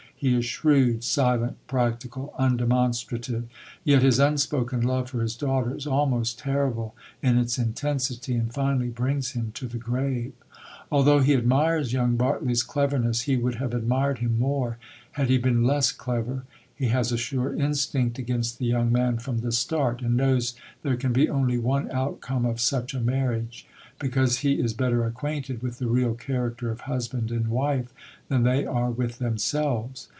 He is shrewd, silent, practical, undemonstrative, yet his unspoken love for his daughter is almost terrible in its intensity, and finally brings him to the grave. Although he admires young Bartley's cleverness, he would have admired him more had he been less clever. He has a sure instinct against the young man from the start, and knows there can be only one outcome of such a marriage; because he is better acquainted with the real character of husband and wife than they are with themselves.